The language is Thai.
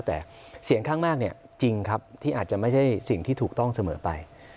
แต่ไม่ใช่สิ่งที่ถูกต้องเสมอไป